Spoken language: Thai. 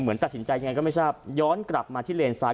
เหมือนตัดสินใจยังไงก็ไม่ใช่ครับย้อนกลับมาที่เลนซ้าย